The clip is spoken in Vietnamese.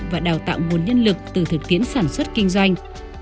và đào tạo nguồn nhân lực từ thực tiễn sản xuất kinh doanh